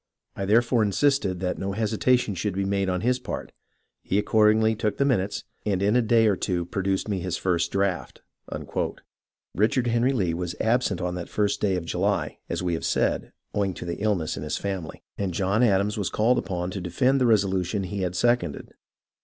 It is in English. I therefore insisted that no hesitation should be made on his part. He accordingly took the minutes, and in a day or two pro duced me his draft." Richard Henry Lee was absent on that first day of July, as we have said, owing to the illness in his family, and John Adams was called upon to defend the resolution he had seconded.